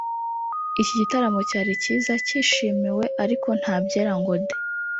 Iki gitaramo cyari cyiza kishimiwe ariko nta byera ngo de